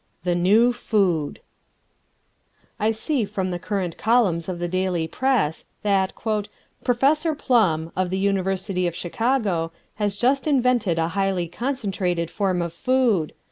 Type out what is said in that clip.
The New Food I see from the current columns of the daily press that "Professor Plumb, of the University of Chicago, has just invented a highly concentrated form of food.